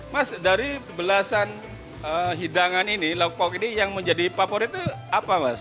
mas dari belasan hidangan ini lauk lauk ini yang menjadi favorit itu apa mas